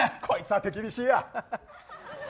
こいつぁ手厳しいや！